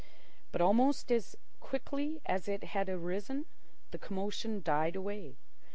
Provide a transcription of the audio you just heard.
But almost as quickly as it had arisen, the commotion died away.